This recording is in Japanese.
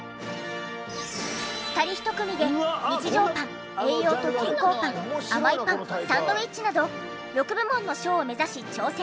２人一組で日常パン栄養と健康パン甘いパンサンドウィッチなど６部門の賞を目指し挑戦。